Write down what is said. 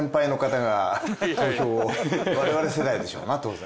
我々世代でしょうな当然。